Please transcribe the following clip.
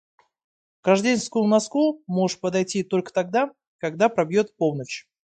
К рождественскому носку можешь подойти только тогда, когда пробьёт полночь.